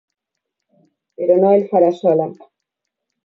Però no el farà sola.